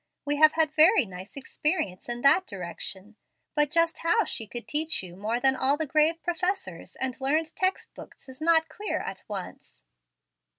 We have had very nice experience in that direction; but just how she should teach you more than all the grave professors and learned text books is not clear at once."